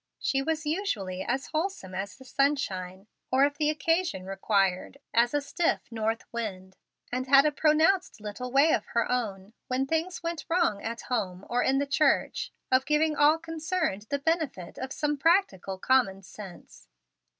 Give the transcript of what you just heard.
She was usually as wholesome as the sunshine, or if the occasion required, as a stiff north wind, and had a pronounced little way of her own, when things went wrong at home or in the church, of giving all concerned the benefit of some practical common sense.